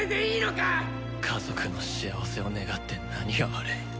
家族の幸せを願って何が悪い。